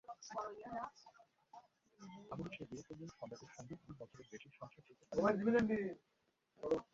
ভালোবেসে বিয়ে করলেও সম্রাটের সঙ্গে দুই বছরের বেশি সংসার করতে পারেননি মনীষা।